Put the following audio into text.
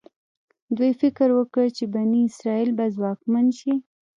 دوی فکر وکړ چې بني اسرایل به ځواکمن شي.